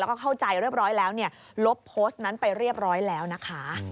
แล้วก็เข้าใจเรียบร้อยแล้วเนี่ยลบโพสต์นั้นไปเรียบร้อยแล้วนะคะ